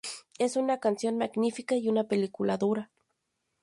Es una canción magnífica y una película dura.